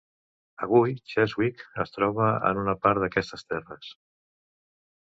Avui, Cheswick es troba en una part d'aquestes terres.